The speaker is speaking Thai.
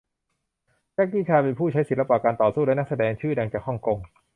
แจ็คกี้ชานเป็นผู้ใช้ศิลปะการต่อสู้และนักแสดงชื่อดังจากฮ่องกง